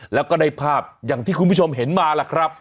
แล้วก็ได้ภาพอย่างที่คุณผู้ชมเห็นมาล่ะครับ